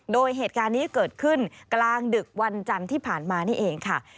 โดยเหตุการณ์นี้เกิดขึ้นกลางดึกวันจันทร์ที่ผ่านมานี่เองค่ะ